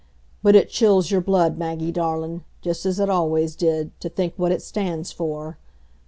But it chills your blood, Maggie darlin', just as it always did, to think what it stands for.